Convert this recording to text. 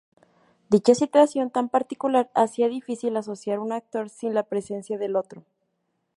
Dicha situación tan particular hacía difícil asociar un actor sin la presencia del otro.